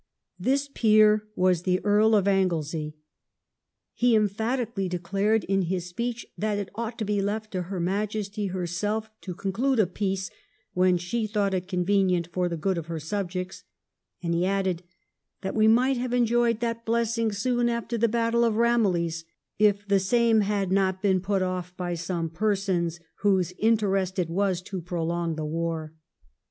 This peer was the Earl of Anglesey. He emphatically declared in his speech that it ought to be left to her Majesty herself to con clude a peace when she thought it convenient for the good of her subjects, and he added that ' we might have enjoyed that blessing soon after the battle of Eamillies, if the same had not been put off by some persons whose interest it was to prolong the war.'